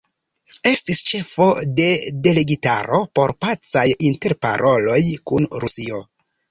Estis ĉefo de delegitaro por pacaj interparoloj kun Rusio.